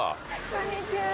こんにちは。